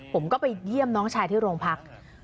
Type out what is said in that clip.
ผมก็ไปเยี่ยมน้องชายที่โรงพัก